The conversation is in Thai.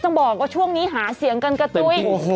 บอกว่าช่วงนี้หาเสียงกันกระตุ้ย